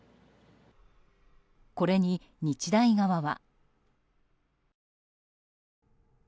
これに日大側は。